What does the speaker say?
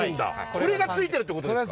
これがついてるって事ですか？